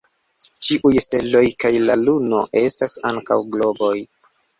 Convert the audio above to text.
Ĉiuj steloj kaj la luno estas ankaŭ globoj.